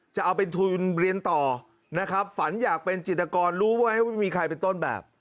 จะเอาเป็นทุนเรียนต่อนะครับฝันอยากเป็นจิตกรรู้ไว้ว่าไม่มีใครเป็นต้นแบบ